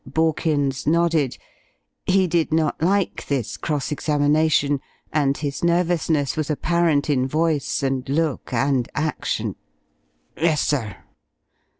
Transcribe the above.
Borkins nodded. He did not like this cross examination, and his nervousness was apparent in voice and look and action. "Yes, sir."